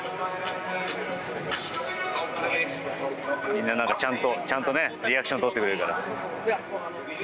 みんな、ちゃんとリアクションとってくれるから。